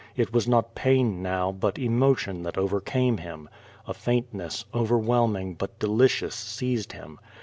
It was not pain now, but emotion that overcame him. A faintness, overwhelming but delicious, seized him.